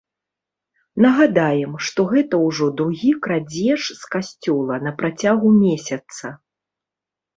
Нагадаем, што гэта ўжо другі крадзеж з касцёла на працягу месяца.